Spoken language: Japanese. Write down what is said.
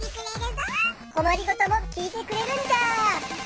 こまりごともきいてくれるんじゃ！